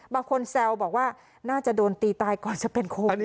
แซวบอกว่าน่าจะโดนตีตายก่อนจะเป็นคน